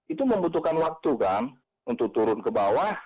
itu membutuhkan waktu kan untuk turun ke bawah